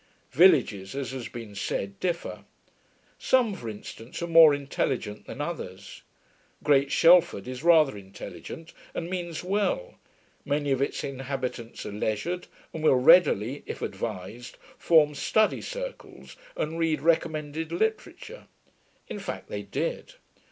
Villages, as has been said, differ. Some, for instance, are more intelligent than others. Great Shelford is rather intelligent, and means well; many of its inhabitants are leisured, and will readily, if advised, form study circles and read recommended literature. In fact, they did.